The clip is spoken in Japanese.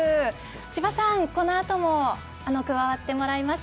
千葉さん、このあとも加わってもらいます。